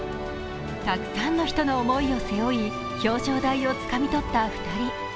たくさんの人の思いを背負い表彰台をつかみとった２人。